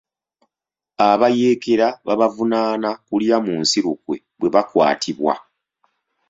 Abayeekera babavunaana kulya mu nsi lukwe bwe bakwatibwa.